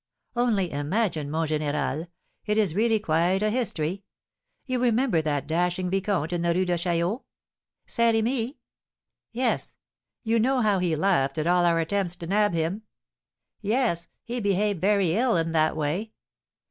"Only imagine, mon général! it is really quite a history. You remember that dashing vicomte in the Rue de Chaillot?" "Saint Remy?" "Yes; you know how he laughed at all our attempts to 'nab' him?" "Yes; he behaved very ill in that way."